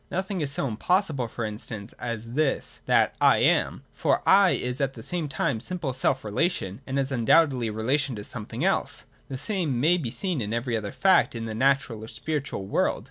Nothing is so impossible, for instance, as this, that I am : for ' I ' is at the same time simple self relation and, as undoubtedly, relation to something else. The same may be seen in every other fact in the natural or spiritual world.